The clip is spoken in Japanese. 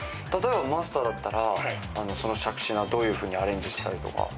例えばマスターだったらその杓子菜どういうふうにアレンジしたりとか。